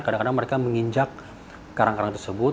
kadang kadang mereka menginjak karang karang tersebut